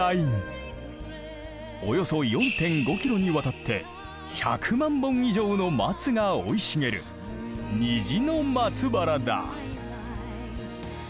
およそ４．５キロにわたって１００万本以上の松が生い茂る「虹の松原」だ。